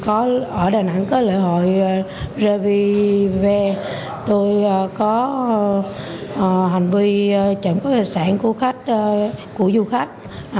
ở đà nẵng có lễ hội revy v tôi có hành vi trận quốc hệ sản của du khách